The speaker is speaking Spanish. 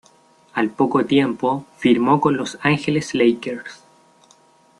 Al poco tiempo, firmó con Los Angeles Lakers.